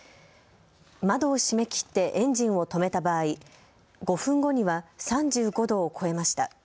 窓を閉めきってエンジンを止めた場合、５分後には３５度を超えました。